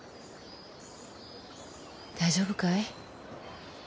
大丈夫かい？